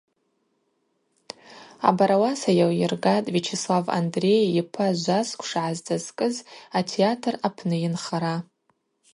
Абарауаса йалйыргатӏ Вячеслав Андрей йпа жвасквша гӏазцӏазкӏыз атеатр апны йынхара.